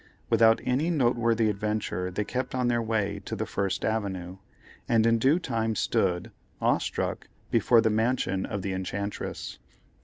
Without any noteworthy adventure they kept on their way to the First Avenue, and in due time stood, awe struck, before the mansion of the enchantress.